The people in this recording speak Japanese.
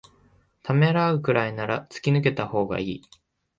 ためらうくらいなら突き抜けたほうがいい